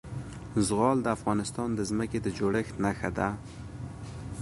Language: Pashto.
زغال د افغانستان د ځمکې د جوړښت نښه ده.